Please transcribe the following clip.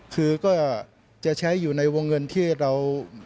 คือก็จะใช้อยู่ในวงเงินที่เรา